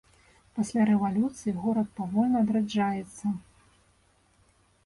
Пасля рэвалюцыі горад павольна адраджаецца.